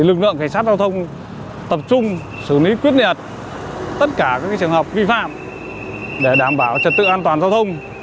lực lượng cảnh sát giao thông tập trung xử lý quyết liệt tất cả các trường hợp vi phạm để đảm bảo trật tự an toàn giao thông